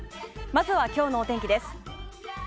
まずは今日のお天気です。